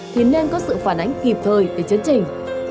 thì nên có sự phản ánh kịp thời để chấn trình